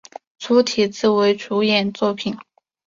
粗体字为主演作品